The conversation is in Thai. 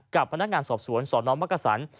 กับพนักงานสอบสวนสอน้องวักษร